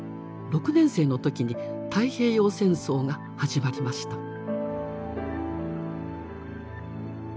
６年生の時に太平洋戦争が始まりました。